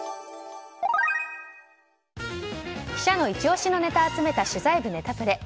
記者たちのイチ押しのネタを集めた取材部ネタプレ。